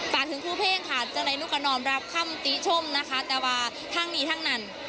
ชวนถึงผู้เพศค่ะจังหลายนูกกะนอมรับความติชมแต่ว่าทั้งนี้ทั้งนั้น